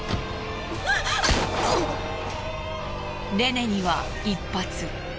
レネには１発。